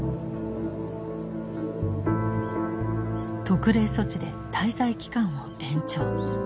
特例措置で滞在期間を延長。